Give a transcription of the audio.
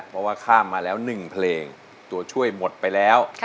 เพราะว่าข้ามมาแล้ว๑เพลงตัวช่วยหมดไปแล้ว